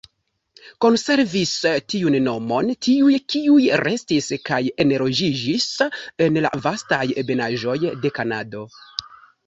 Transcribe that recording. Konservis tiun nomon tiuj, kiuj restis kaj enloĝiĝis en la vastaj ebenaĵoj de Kanado.